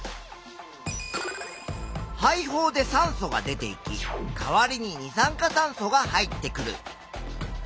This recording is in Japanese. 肺胞で酸素が出ていきかわりに二酸化炭素が入ってくる。